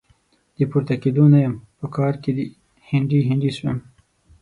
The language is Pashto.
د پورته کېدو نه يم؛ په کار کې هنډي هنډي سوم.